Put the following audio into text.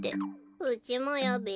うちもよべ。